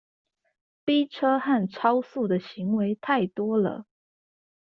逼車和超速的行為太多了